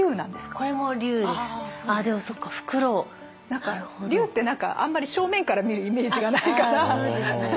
何か竜ってあんまり正面から見るイメージがないから。